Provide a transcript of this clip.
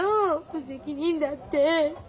無責任だって。